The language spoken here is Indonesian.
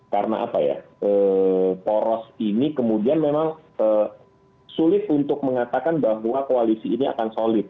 karena apa ya poros ini kemudian memang sulit untuk mengatakan bahwa koalisi ini akan solid